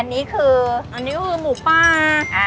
อันนี้คืออันนี้ก็คือหมูปลา